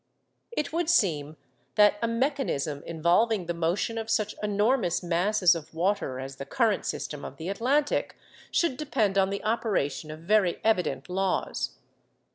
It would seem that a mechanism involving the motion of such enormous masses of water as the current system of the Atlantic should depend on the operation of very evident laws.